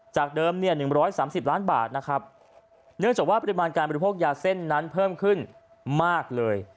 จากเดิมเนี่ย๑๓๐ล้านบาทนะครับเนื่องจากว่าปริมาณการบริโภคยาเส้นนั้นเพิ่มขึ้นมากเลย